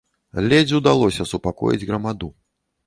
Ледзь удалося супакоіць грамаду.